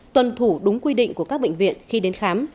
tuân thủ đúng quy định của các bệnh viện khi đến khám